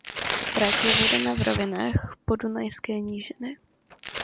Trať je vedena v rovinách Podunajské nížiny.